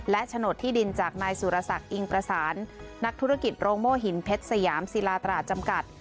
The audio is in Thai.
โฉนดที่ดินจากนายสุรศักดิ์อิงประสานนักธุรกิจโรงโม่หินเพชรสยามศิลาตราจำกัด